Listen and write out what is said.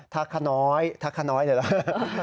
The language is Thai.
ทะคร้อน้อยนี่หรอก